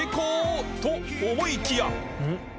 と思いきや